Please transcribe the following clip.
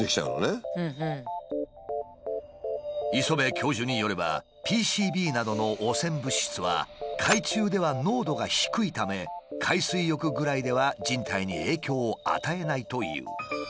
磯辺教授によればＰＣＢなどの汚染物質は海中では濃度が低いため海水浴ぐらいでは人体に影響を与えないという。